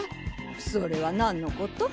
それは何のこと？